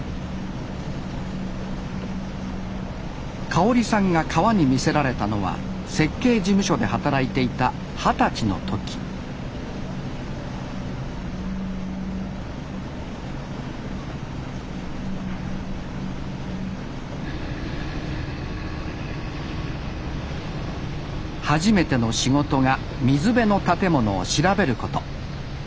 かおりさんが川に魅せられたのは設計事務所で働いていた二十歳の時初めての仕事が水辺の建物を調べること。